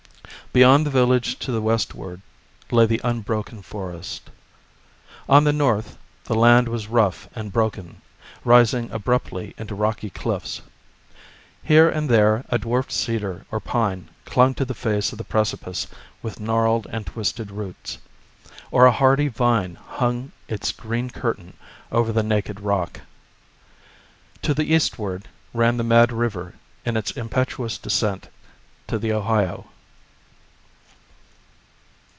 Beyond the village to the westward lay the unbroken forest. On the nortJh the land was rouglh and broken, rising abruptly into rocky cliffs. Here and there a dwarfed cedar or pine clung to the face of the precipice with gnarled and twisted roots, or a hardy vine hung its n The Story of Tecumseh green curtain over the naked rock. To the eastward ran the Mad River in its impetuous descent to the Ohio.